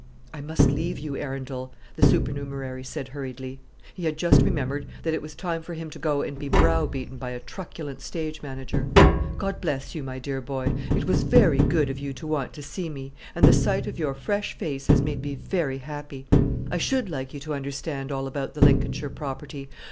"I must leave you, Arundel," the supernumerary said hurriedly; he had just remembered that it was time for him to go and be browbeaten by a truculent stage manager. "God bless you, my dear boy! It was very good of you to want to see me, and the sight of your fresh face has made me very happy. I should like you to understand all about the Lincolnshire property.